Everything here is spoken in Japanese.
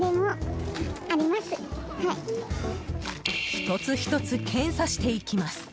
１つ１つ検査していきます。